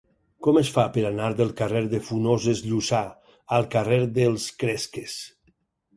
Com es fa per anar del carrer de Funoses Llussà al carrer dels Cresques?